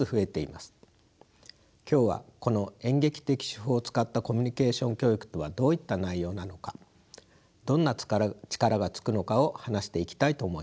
今日はこの演劇的手法を使ったコミュニケーション教育とはどういった内容なのかどんな力がつくのかを話していきたいと思います。